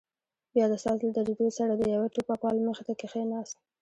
بيا د ساز له درېدو سره د يوه ټوپکوال مخې ته کښېناست.